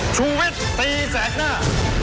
ชุวิตตีแสดหน้า